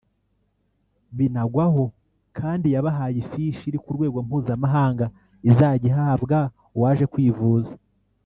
Binagwaho kandi yabahaye ifishi iri ku rwego mpuzamahanga izajya ihabwa uwaje kwivuza